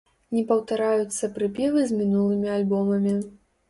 Не паўтараюцца прыпевы з мінулымі альбомамі.